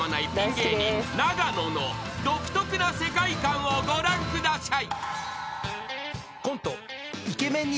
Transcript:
芸人永野の独特な世界観をご覧ください］